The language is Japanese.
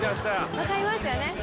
分かりますよね。